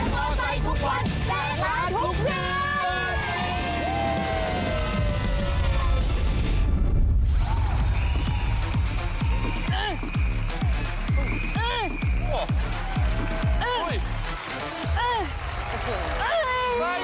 และโปรดไทยทุกวันและล้านทุกวัน